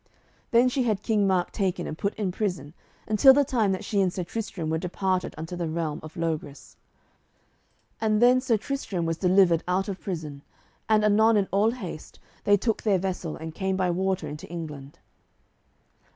Then she had King Mark taken and put in prison, until the time that she and Sir Tristram were departed unto the realm of Logris. And then Sir Tristram was delivered out of prison, and anon in all haste they took their vessel, and came by water into England.